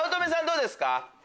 どうですか？